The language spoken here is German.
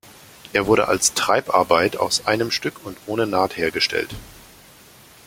Er wurde als Treibarbeit aus einem Stück und ohne Naht hergestellt.